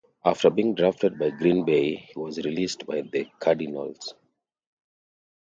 After being drafted by Green Bay, he was released by the Cardinals.